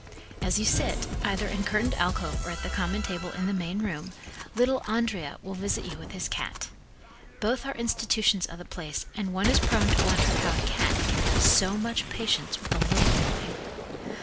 As you sit, either in curtained alcove or at the common table in the main room, little Andrea will visit you with his cat. Both are institutions of the place and one is, prone to wonder how a cat can have so much patience with a little boy.